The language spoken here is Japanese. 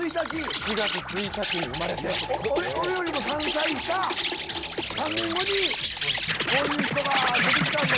７月１日に生まれて俺よりも３歳下３年後にこういう人が出てきたんだ